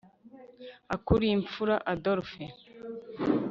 ukulimfura adolphe